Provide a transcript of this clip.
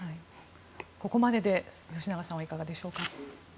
ここまでで吉永さんはいかがでしょうか？